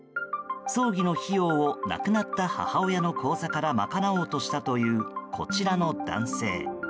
葬儀の費用を亡くなった母親の口座から賄おうとしたというこちらの男性。